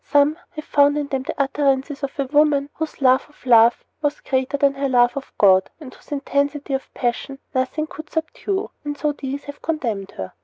Some have found in them the utterances of a woman whose love of love was greater than her love of God and whose intensity of passion nothing could subdue; and so these have condemned her.